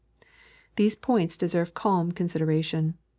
These points deserve calm consideration.